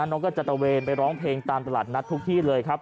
นกก็จะตะเวนไปร้องเพลงตามตลาดนัดทุกที่เลยครับ